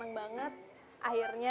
dan masalahnya udah selesai kan semuanya